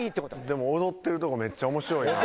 でも踊ってるとこめっちゃ面白いな。